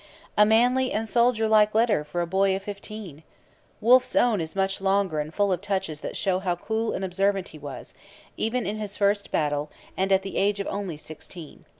A manly and soldier like letter for a boy of fifteen! Wolfe's own is much longer and full of touches that show how cool and observant he was, even in his first battle and at the age of only sixteen.